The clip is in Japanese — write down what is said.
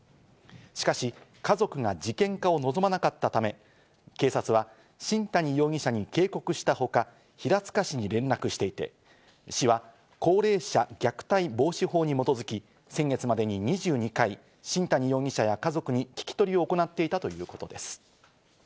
しかし、家族が事件化を望まなかったため、警察は新谷容疑者に警告したほか、平塚市に連絡していて、市は高齢者虐待防止法に基づき、先月までに２２回、新谷容疑者や家族に聞き取りを行っていたということです。